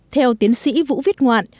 theo tiến sĩ vũ viết ngoạn